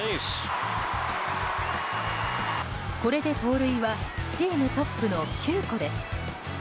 これで盗塁はチームトップの９個です。